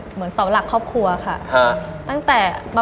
หรือกลับไปละตึก